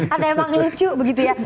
karena emang lucu begitu ya